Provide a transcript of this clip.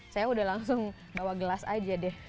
saya udah langsung bawa gelas aja deh